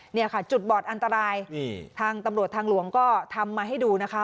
เนี่ยค่ะจุดบอดอันตรายนี่ทางตำรวจทางหลวงก็ทำมาให้ดูนะคะ